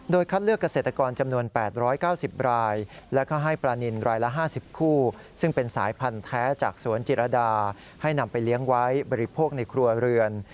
คัดเลือกเกษตรกรจำนวน๘๙๐รายและก็ให้ปลานินรายละ๕๐คู่ซึ่งเป็นสายพันธุ์แท้จากสวนจิรดาให้นำไปเลี้ยงไว้บริโภคในครัวเรือน